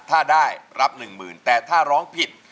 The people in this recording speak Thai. ถ้าได้รับ๑๐๐๐แต่ถ้าร้องผิด